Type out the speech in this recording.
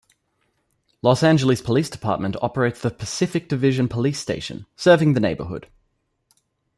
Los Angeles Police Department operates the Pacific Division Police Station, serving the neighborhood.